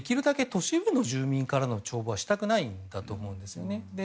都市部の住民からの徴兵はしたくないんだと思うんですよね。